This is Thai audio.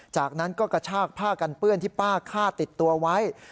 จากนั้นก็กระชากผ้ากันเปื้อนที่ป้าฆ่าติดตัวไว้